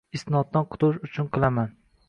Isnoddan qutulish uchun qilaman